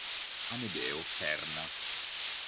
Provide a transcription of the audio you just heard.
Amedeo Perna